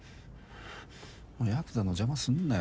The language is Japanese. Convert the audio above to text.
ヤクザの邪魔すんなよ